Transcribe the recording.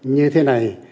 như thế này